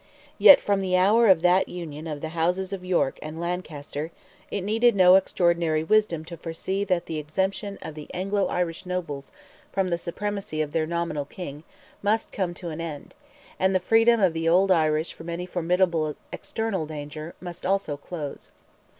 Yet, from the hour of that union of the houses of York and Lancaster, it needed no extraordinary wisdom to foresee that the exemption of the Anglo Irish nobles from the supremacy of their nominal King must come to an end, and the freedom of the old Irish from any formidable external danger must also close.